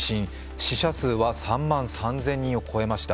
死者数は３万３０００人を超えました。